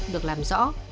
được làm rõ